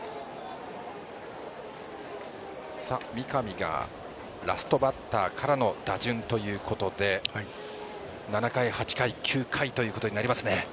三上がラストバッターからの打順ということで７回、８回、９回ということになりますね。